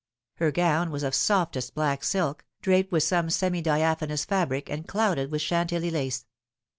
Her gown was of softest black silk, draped with some semi diaphanous fabric and clouded with Chantilly lace.